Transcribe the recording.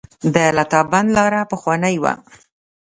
د لاتابند لاره پخوانۍ وه